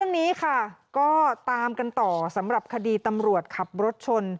เรื่องนี้ค่ะก็ตามกันต่อสำหรับคดีตำรวจขับรถชน